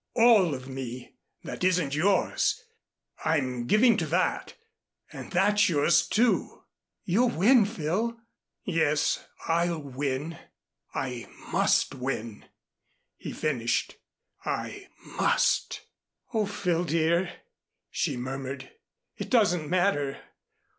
All of me that isn't yours, I'm giving to that and that's yours, too." "You'll win, Phil." "Yes, I'll win. I must win," he finished. "I must." "Oh, Phil, dear," she murmured. "It doesn't matter.